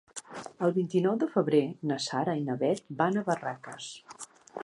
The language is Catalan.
El vint-i-nou de febrer na Sara i na Bet van a Barraques.